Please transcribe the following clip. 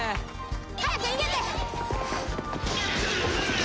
早く逃げて！